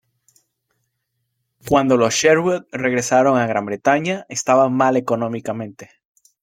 Cuando los Sherwood regresaron a Gran Bretaña, estaban mal económicamente.